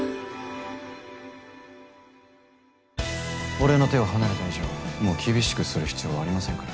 俺の手を離れた以上もう厳しくする必要はありませんから。